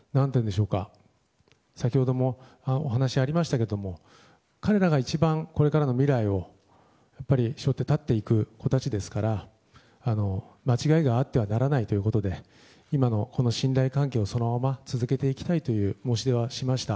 先ほどもお話ありましたけども彼らが一番、これからの未来を背負って立っていく子たちですから間違いがあってはならないということで今の信頼関係をそのまま続けていきたいという申し出はしました。